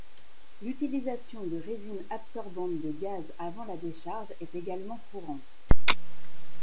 L’utilisation de résines absorbantes de gaz avant la décharge est également courante.